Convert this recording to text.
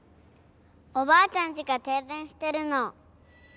おばあちゃんちが停電してるの。